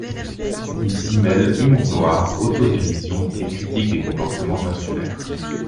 Ils s'y mêlent humour noir, autodérision, et critique des comportements insulaires.